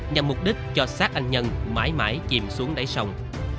nhằm mục đích cho sát anh nhân mãi mãi chìm xuống đáy sông